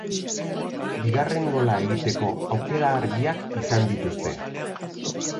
Bigarren gola egiteko aukera argiak izan dituzte.